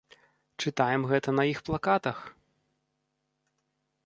Чытаем гэта на іх плакатах!